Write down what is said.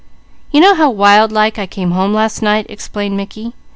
"You know how wild like I came home last night," explained Mickey.